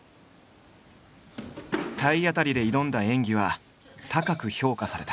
体当たりで挑んだ演技は高く評価された。